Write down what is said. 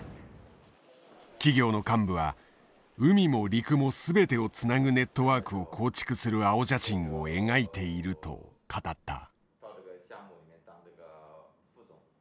企業の幹部は海も陸も全てをつなぐネットワークを構築する青写真を描いていると語った。